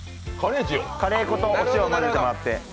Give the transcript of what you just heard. カレー粉とお塩を混ぜてもらって。